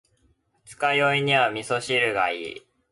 二日酔いには味噌汁がいい。